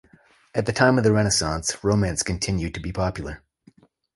At the time of the Renaissance romance continued to be popular.